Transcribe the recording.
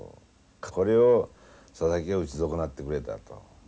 これを佐々木が打ち損なってくれたと。